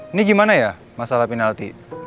ini gimana ya masalah penalti